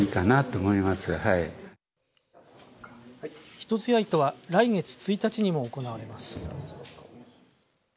一つやいとは来月１日にも行われます。